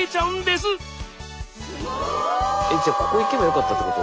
すごい！えっじゃあここ行けばよかったってこと？